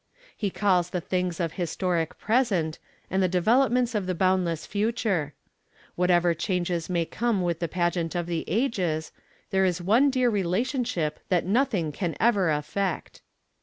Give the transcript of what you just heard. He calls the Things of the Historic Present and the Developments of the Boundless Future. Whatever changes may come with the pageant of the ages, there is one dear relationship that nothing can ever affect!